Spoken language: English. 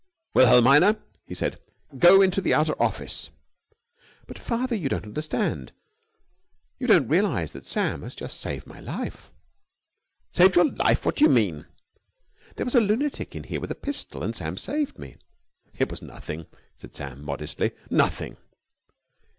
"Wilhelmina," he said, "go into the outer office." "But, father, you don't understand. You don't realise that Sam has just saved my life." "Saved your life? What do you mean?" "There was a lunatic in here with a pistol, and Sam saved me." "It was nothing," said Sam modestly. "Nothing."